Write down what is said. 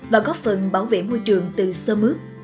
và góp phần bảo vệ môi trường từ sơ mướp